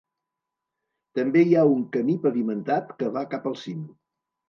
També hi ha un camí pavimentat que va cap al cim.